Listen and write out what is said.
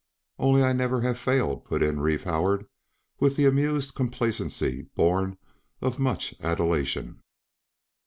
"Only I never have failed," put in Reeve Howard, with the amused complacency born of much adulation.